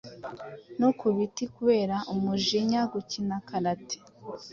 no ku biti kubera umujinya. Gukina Karate,